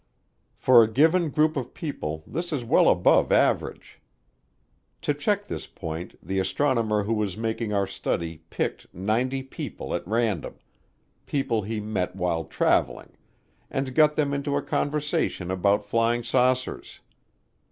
For a given group of people this is well above average. To check this point, the astronomer who was making our study picked ninety people at random people he met while traveling and got them into a conversation about flying saucers.